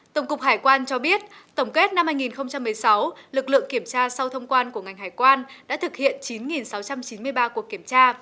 tổng cục hải quan cho biết tổng kết năm hai nghìn một mươi sáu lực lượng kiểm tra sau thông quan của ngành hải quan đã thực hiện chín sáu trăm chín mươi ba cuộc kiểm tra